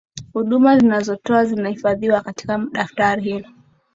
huduma wanazotoa zitahifadhiwa katika daftari hilo